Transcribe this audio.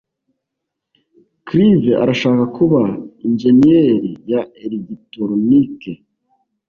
Clive arashaka kuba injeniyeri ya elegitoroniki.